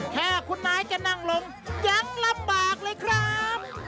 แค่คุณนายจะนั่งลงยังลำบากเลยครับ